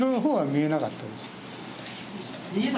見なかったです。